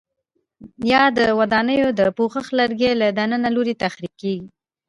یا د ودانیو د پوښښ لرګي له دننه لوري تخریب کېږي؟